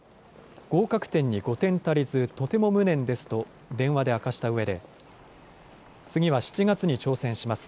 合格点に５点足りずとても無念ですと電話で明かしたうえで次は７月に挑戦します。